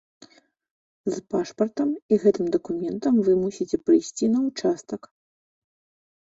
З пашпартам і гэтым дакументам вы мусіце прыйсці на ўчастак.